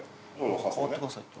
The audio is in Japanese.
代わってくださいって。